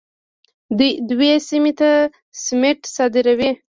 دوی سیمې ته سمنټ صادروي.